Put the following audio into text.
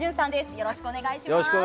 よろしくお願いします。